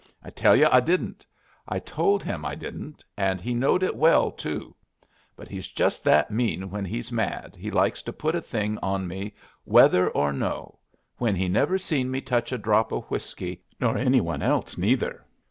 "I tell you I didn't. I told him I didn't, and he knowed it well, too. But he's just that mean when he's mad he likes to put a thing on me whether or no, when he never seen me touch a drop of whiskey, nor any one else, neither.